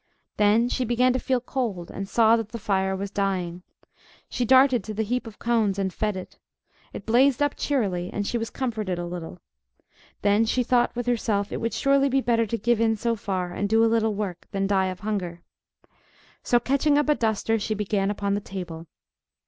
Then she began to feel cold, and saw that the fire was dying. She darted to the heap of cones, and fed it. It blazed up cheerily, and she was comforted a little. Then she thought with herself it would surely be better to give in so far, and do a little work, than die of hunger. So catching up a duster, she began upon the table.